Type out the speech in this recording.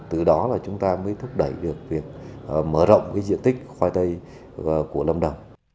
từ đó là chúng ta mới thúc đẩy được việc mở rộng cái diện tích khoai tây của lâm đồng